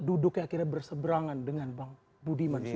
duduknya akhirnya berseberangan dengan bang budiman